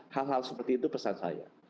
hal hal seperti itu pesan saya